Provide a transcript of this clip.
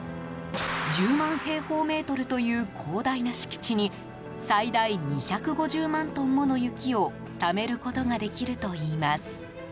１０万平方メートルという広大な敷地に最大２５０万トンもの雪をためることができるといいます。